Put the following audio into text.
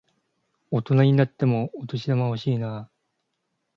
大人になってもお年玉欲しいなぁ。